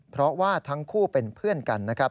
เพราะว่าทั้งคู่เป็นเพื่อนกันนะครับ